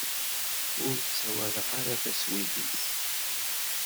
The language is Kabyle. Ur ssawaleɣ ara taswidit.